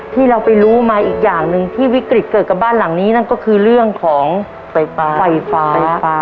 ที่เราไปรู้มาอีกอย่างหนึ่งที่วิกฤตเกิดกับบ้านหลังนี้นั่นก็คือเรื่องของไฟฟ้าไฟฟ้า